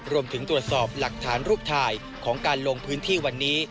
รวมถึงตรวจสอบหลักฐานรูปถ่ายของการลงพื้นที่วันนี้